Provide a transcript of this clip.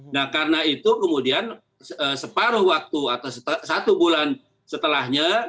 nah karena itu kemudian separuh waktu atau satu bulan setelahnya